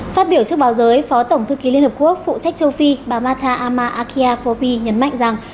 phát biểu trước báo giới phó tổng thư ký liên hợp quốc phụ trách châu phi bà mata ama akia popi nhấn mạnh rằng